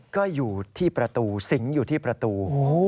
ก็อยู่ที่ประตูสิงอยู่ที่ประตู